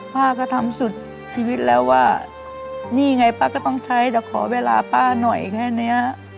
ป้าก็ทำสุดชีวิตแล้วว่านี่ไงป้าก็ต้องใช้แต่ขอเวลาป้าหน่อยแค่เนี้ย